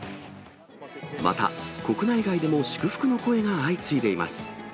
また、国内外でも祝福の声が相次いでいます。